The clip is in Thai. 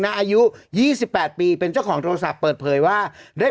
น่าอายุยี่สิบแปดปีเป็นเจ้าของโทรศัพท์เปิดเผยว่าได้